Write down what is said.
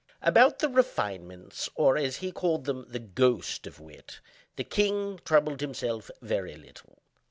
About the refinements, or, as he called them, the "ghost" of wit, the king troubled himself very little.